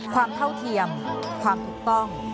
เท่าเทียมความถูกต้อง